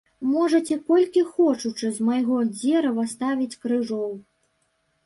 Можаце колькі хочучы з майго дзерава ставіць крыжоў.